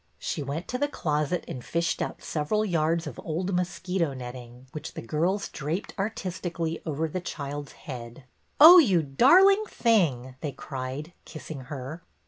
She went to the closet and fished out several yards of old mosquito netting, which the two girls draped artistically over the child's head. "Oh, you darling thing!" they cried, kissing her.